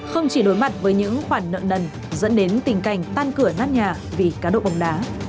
không chỉ đối mặt với những khoản nợ nần dẫn đến tình cảnh tan cửa nát nhà vì cá độ bóng đá